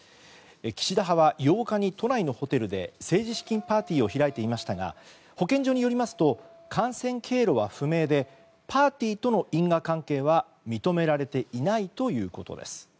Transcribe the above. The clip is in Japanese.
岸田派は８日に都内のホテルで政治資金パーティーを開いていましたが保健所によりますと感染経路は不明でパーティーとの因果関係は認められていないということです。